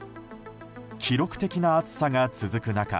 記録的な暑さが続く中